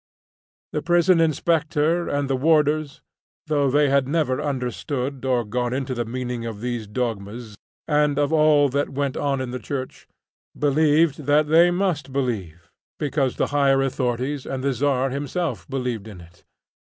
The prison inspector and the warders, though they had never understood or gone into the meaning of these dogmas and of all that went on in church, believed that they must believe, because the higher authorities and the Tsar himself believed in it.